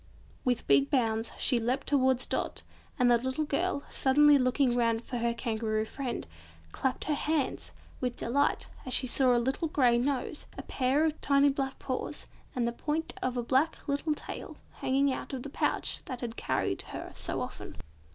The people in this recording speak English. With big bounds she leapt towards Dot, and the little girl, suddenly looking round for her Kangaroo friend, clapped her hands with delight as she saw a little grey nose, a pair of tiny black paws, and the point of a black little tail, hanging out of the pouch that had carried her so often.